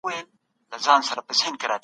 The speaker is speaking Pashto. حکومتونو د خلګو په پراخ ملاتړ واک پر مخ بيوه.